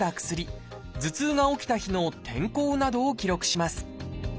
薬頭痛が起きた日の天候などを記録します。